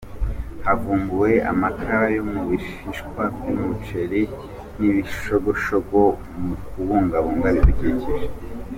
Havumbuwe amakara yo mu bishishwa by’umuceri n’ibishogoshogo mu kubungabunga ibidukikije